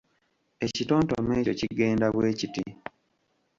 Ekitontome ekyo kigenda bwe kiti